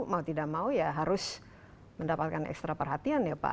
mau tidak mau ya harus mendapatkan ekstra perhatian ya pak